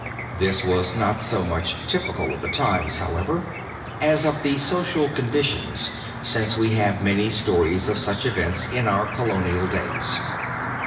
This was not so much typical of the times, however, as of the social conditions, since we have many stories of such events in our colonial days.